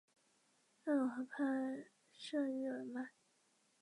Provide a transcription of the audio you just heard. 勒农河畔圣日耳曼。